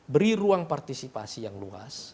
beri ruang partisipasi yang luas